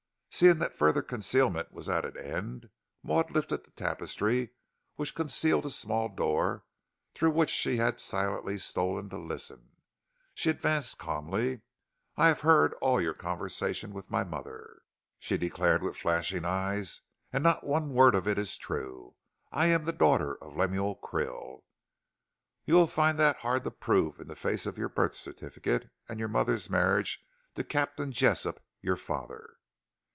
Seeing that further concealment was at an end, Maud lifted the tapestry, which concealed a small door, through which she had silently stolen to listen. She advanced calmly. "I have heard all your conversation with my mother," she declared with flashing eyes, "and not one word of it is true. I am the daughter of Lemuel Krill." "You'll find that hard to prove in the face of your birth certificate and your mother's marriage to Captain Jessop, your father."